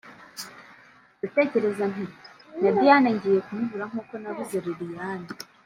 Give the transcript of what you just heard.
ndatekereza nti na Diane ngiye kumubura nk’uko nabuze Liliane